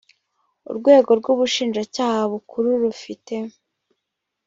urwego rw ubushinjacyaha bukuru rufite